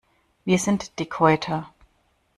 Wir sind Dickhäuter.